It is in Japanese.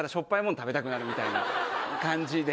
食べたくなるみたいな感じで。